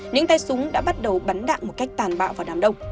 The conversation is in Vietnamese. những tay súng đã bắt đầu bắn đạn một cách tàn bạo vào đám đông